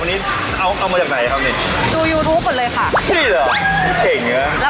วันนี้เอาเอามาจากไหนครับนี่ดูยูทูปกันเลยค่ะนี่เหรอนี่เก่งเยอะ